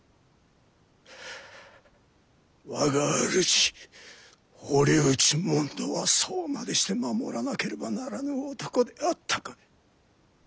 我が主堀内主水はそうまでして守らなければならぬ男であったかと。